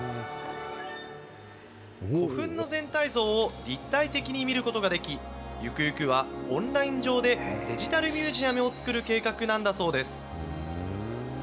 古墳の全体像を立体的に見ることができ、ゆくゆくはオンライン上でデジタルミュージアムを作る計画なんだそうです。